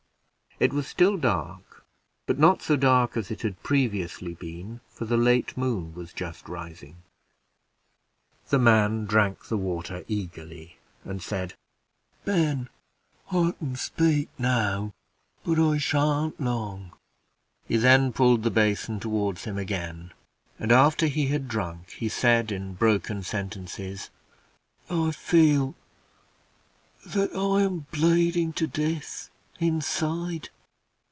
It was still dark, but not so dark as it had previously been, for the late moon was just rising. The man drank the water eagerly, and said, "Ben, I can speak now, but I shan't long." He then pulled the basin toward him again, and after he had drank, ho said, in broken sentences, "I feel that I'm bleeding to death inside."